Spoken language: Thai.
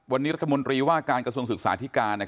วันนี้รัฐมนตรีว่าการกระทรวงศึกษาธิการ